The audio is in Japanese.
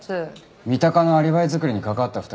三鷹のアリバイ作りに関わった２人は？